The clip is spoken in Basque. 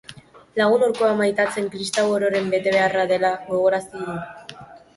Lagun hurkoa maitatzea kristau ororen betebeharra dela gogorarazi du.